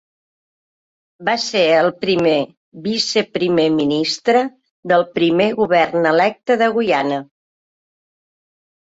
Va ser primer viceprimer ministre del primer govern electe de Guyana.